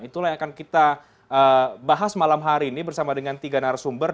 itulah yang akan kita bahas malam hari ini bersama dengan tiga narasumber